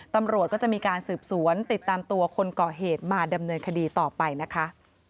ตำรวจก็จะมีการสืบสวนติดตามตัวคนก่อเหตุมาดำเนินคดีต่อไปนะคะ